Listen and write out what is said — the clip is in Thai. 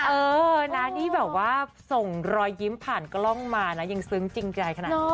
เออนะนี่แบบว่าส่งรอยยิ้มผ่านกล้องมานะยังซึ้งจริงใจขนาดนี้